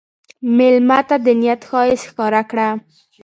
مېلمه ته د نیت ښایست ښکاره کړه.